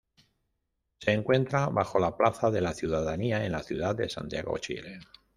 Se encuentra bajo la plaza de la Ciudadanía en la ciudad de Santiago, Chile.